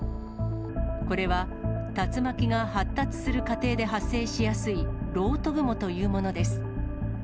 これは竜巻が発達する過程で発生しやすい漏斗雲というものです。